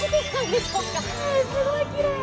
すごいきれい！